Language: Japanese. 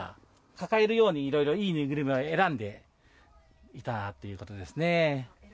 抱えるようにいろいろ、いい縫いぐるみを選んでいたっていうことですね。